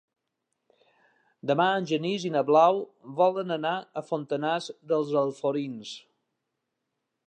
Demà en Genís i na Blau volen anar a Fontanars dels Alforins.